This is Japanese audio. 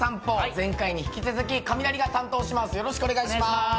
前回に引き続きカミナリが担当します。